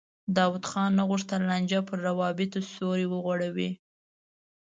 داود خان نه غوښتل لانجه پر روابطو سیوری وغوړوي.